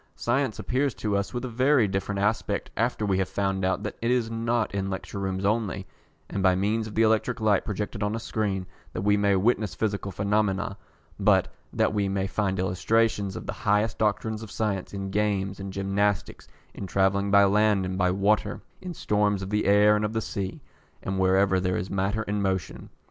Science appears to us with a very different aspect after we have found out that it is not in lecture rooms only, and by means of the electric light projected on a screen, that we may witness physical phenomena, but that we may find illustrations of the highest doctrines of science in games and gymnastics, in travelling by land and by water, in storms of the air and of the sea, and wherever there is matter in motion.